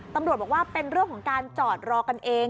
ตำรวจบอกว่าเป็นเรื่องของการจอดรอกันเอง